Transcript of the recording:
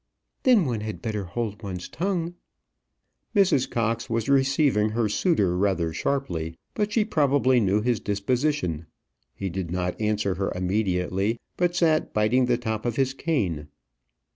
"Then one had better hold one's tongue." Mrs. Cox was receiving her suitor rather sharply; but she probably knew his disposition. He did not answer her immediately, but sat biting the top of his cane.